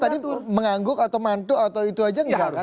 tapi dia tadi mengangguk atau mantuk atau itu aja nggak kan